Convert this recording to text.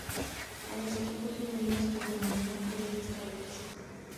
A los equipos femeninos se les denomina "Lady Tigers".